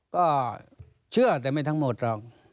ก็เชื่อแต่ไม่ทั้งหมดหรอก